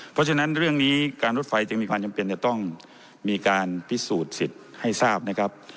เพราะฉะนั้นเรื่องนี้การรถไฟจึงมีความจำเป็นจะต้องมีการพิสูจน์สิทธิ์ให้ทราบนะครับ